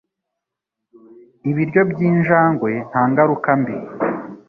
ibiryo by'injangwe nta ngaruka mbi